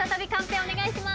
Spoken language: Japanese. お願いします！